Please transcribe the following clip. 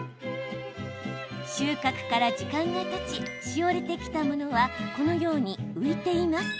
収穫から時間がたちしおれてきたものはこのように浮いています。